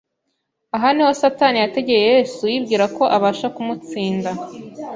Aha ni ho Satani yategeye Yesu yibwira ko abasha kumutsinda.